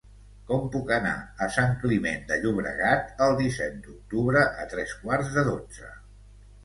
Com puc anar a Sant Climent de Llobregat el disset d'octubre a tres quarts de dotze?